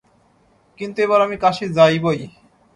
কিন্তু এবার আমি কাশী যাইবই।